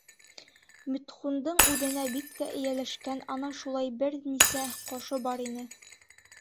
Митхундың үҙенә бик тә эйәләшкән ана шулай бер нисә ҡошо бар ине.